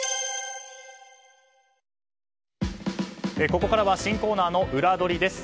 ここからは新コーナーのウラどりです。